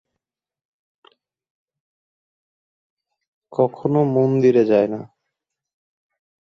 কখনো মন্দিরে যাই না।